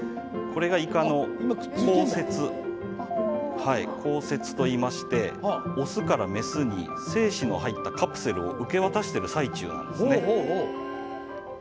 これがイカの交接といいましてオスからメスに精子の入ったカプセルを受け渡している最中なんですね。